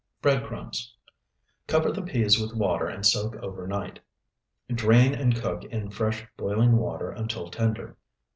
Bread crumbs. Cover the peas with water and soak overnight. Drain and cook in fresh boiling water until tender.